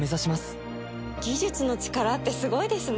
技術の力ってスゴイですね！